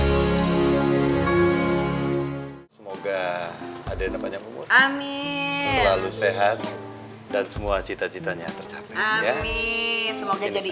hai semoga adanya banyak umur amin selalu sehat dan semua cita citanya tercapai amin semoga jadi